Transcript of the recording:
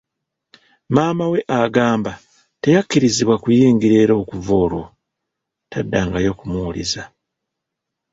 Maama we agamba teyakkirizibwa kuyingira era okuva olwo, taddangayo kumuwuliza.